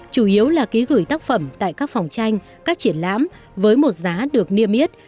chủ yếu là ký gửi tác phẩm tại các phòng tranh các triển lãm với một giá được niêm yết